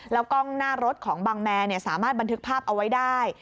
กล้องหน้ารถของบังแมนสามารถบันทึกภาพเอาไว้ได้